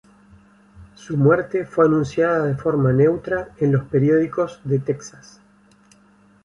Su muerte fue anunciada de forma neutra en los periódicos de Texas.